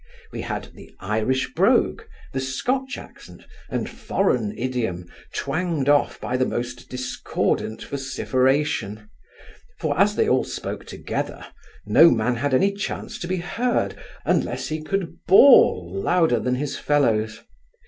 We had the Irish brogue, the Scotch accent, and foreign idiom, twanged off by the most discordant vociferation; for, as they all spoke together, no man had any chance to be heard, unless he could bawl louder than his fellows.